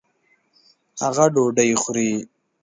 هغه ډوډۍ خوري